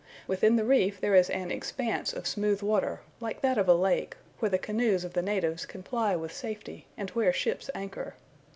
Within the reef there is an expanse of smooth water, like that of a lake, where the canoes of the natives can ply with safety and where ships anchor.